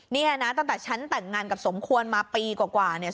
เนี่ยนะตั้งแต่ฉันแต่งงานกับสมควรมาปีกว่าเนี่ย